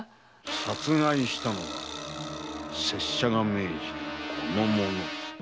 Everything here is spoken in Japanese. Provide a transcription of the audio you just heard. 殺害したのは拙者が命じたこの者。